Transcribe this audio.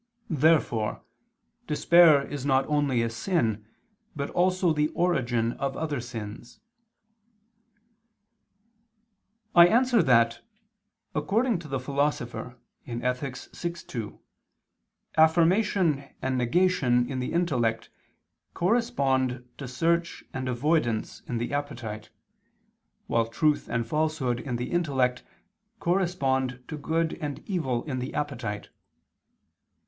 Therefore despair is not only a sin but also the origin of other sins. I answer that, According to the Philosopher (Ethic. vi, 2) affirmation and negation in the intellect correspond to search and avoidance in the appetite; while truth and falsehood in the intellect correspond to good and evil in the appetite.